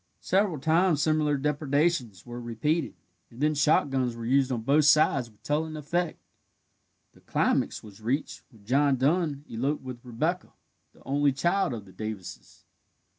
Several times similar depredations were repeated, and then shotguns were used on both sides with telling effect. The climax was reached when John Dun eloped with Rebecca, the only child of the Davises.